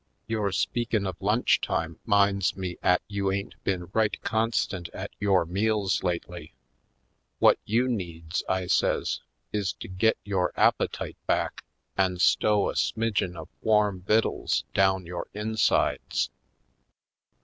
Yore speakin' of lunch time 'minds me 'at you ain't been right constant at yore meals lately. Whut you needs," I says, "is to git yore ap petite back an' stow a smidgin' of warm vittles down yore insides."